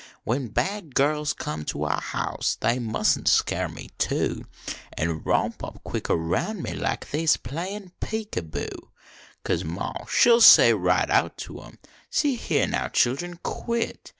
When bad girls comes to our house They mustn t scare me, too, An romp up quick against me Like they s playin peek a boo, Cause ma she ll say right out to em :" See here, now children, quit